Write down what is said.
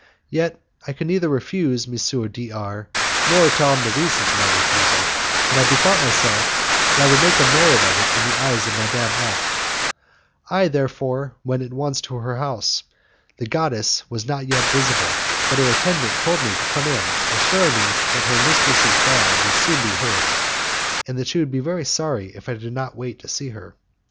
Yet I could neither refuse M. D R , nor tell him the reason of my refusal, and I bethought myself that I could make a merit of it in the eyes of Madame F I therefore went at once to her house; the goddess was not yet visible, but her attendant told me to come in, assuring me that her mistress's bell would soon be heard, and that she would be very sorry if I did not wait to see her.